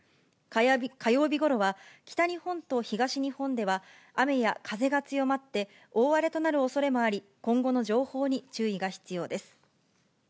火曜日ごろは、北日本と東日本では雨や風が強まって、大荒れとなるおそれもあり、今後の情報に注意が必要です。